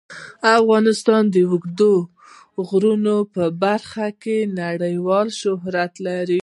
افغانستان د اوږدو غرونو په برخه کې نړیوال شهرت لري.